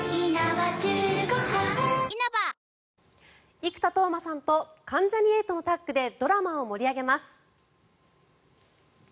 生田斗真さんと関ジャニ∞のタッグでドラマを盛り上げます。